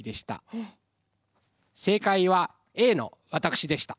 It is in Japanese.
正解はＡの私でした。